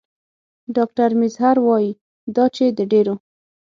ډاکټر میزهر وايي دا چې د ډېرو